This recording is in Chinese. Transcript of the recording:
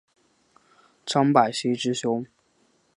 张百熙之兄。